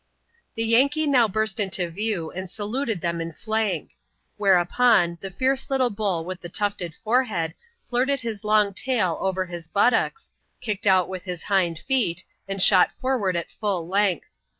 The Yankee now burst into view, and saluted them in fianL Whereupon, the fierce little bull with the tufted forehead flirted his long tail over his buttocks, kicked out with his hind feet, and shot forward a full length.